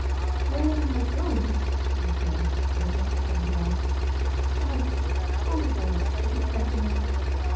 " Where am I going ?" she replied, with an unsteady laugh. " Why, overboard, if you care to know